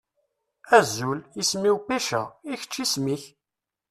Azul! Isem-iw Pecca. I kečč, isem-ik?